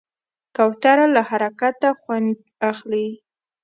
کوتره له حرکته خوند اخلي.